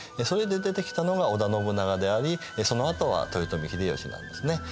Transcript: それで出てきたのが織田信長でありそのあとは豊臣秀吉なんですね。